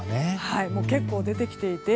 結構、出てきていて。